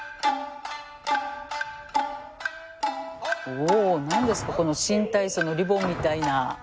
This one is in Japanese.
おお何ですかこの新体操のリボンみたいな。